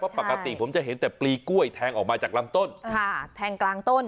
ปกติผมจะเห็นแต่ปลีกล้วยแทงออกมาจากลำต้นค่ะแทงกลางต้น